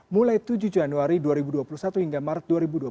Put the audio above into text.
mulai tujuh januari dua ribu dua puluh satu hingga maret dua ribu dua puluh